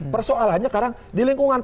persoalannya sekarang di lingkungan